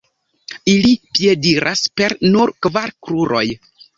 Ili piediras per nur kvar kruroj.